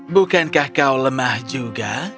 bukankah kau lemah juga